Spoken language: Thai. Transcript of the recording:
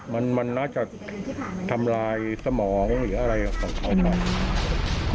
มันน่าจะทำลายสมองหรืออะไรของเขา